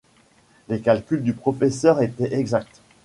Les calculs du professeur étaient exacts.